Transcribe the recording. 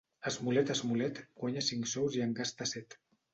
Esmolet, esmolet, guanya cinc sous i en gasta set.